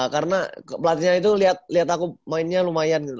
karena pelatihnya itu liat aku mainnya lumayan gitu